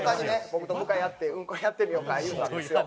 「僕と向かい合ってウンコやってみようか」